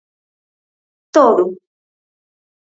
¡Todo!